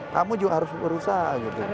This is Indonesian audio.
kamu juga harus merusak gitu